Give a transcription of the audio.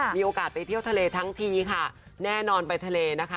มีโอกาสไปเที่ยวทะเลทั้งทีค่ะแน่นอนไปทะเลนะคะ